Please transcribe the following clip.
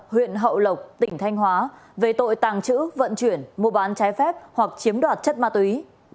huyện hậu lộc tỉnh thanh hóa về tội tàng trữ vận chuyển mua bán trái phép hoặc chiếm đoạt chất ma túy